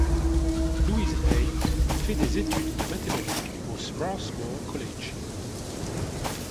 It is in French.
Louise Hay fait des études de mathématiques au Swarthmore College.